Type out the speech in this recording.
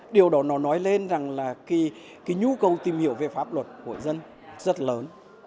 điều đó nó nói lên rằng là cái nhu cầu tìm hiểu về pháp luật của dân rất lớn